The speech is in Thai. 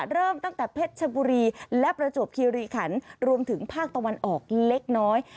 เริ่มตั้งแต่เพชรชบุรีและประจวบคิริขันรวมถึงภาคตะวันออกเล็กน้อย